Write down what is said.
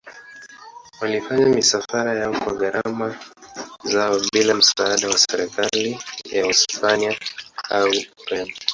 Walifanya misafara yao kwa gharama zao bila msaada wa serikali ya Hispania au Ureno.